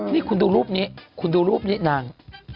นี่คุณดูรูปนี้นั่ง